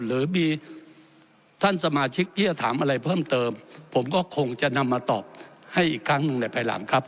หรือมีท่านสมาชิกที่จะถามอะไรเพิ่มเติมผมก็คงจะนำมาตอบให้อีกครั้งหนึ่งในภายหลังครับ